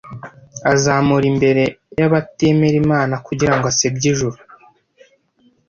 Azamura imbere yabatemera Imana kugirango asebye Ijuru,